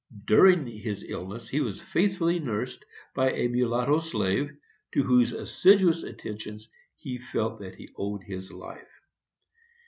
During his illness he was faithfully nursed by a mulatto slave, to whose assiduous attentions he felt that he owed his life.